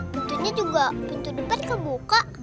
bentuknya juga bentuk depan kebuka